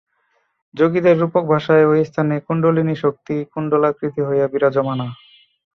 যোগীদের রূপক ভাষায় ঐ স্থানে কুণ্ডলিনী শক্তি কুণ্ডলাকৃতি হইয়া বিরাজমানা।